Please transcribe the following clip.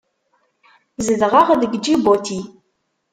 Zedɣeɣ deg Ǧibuti.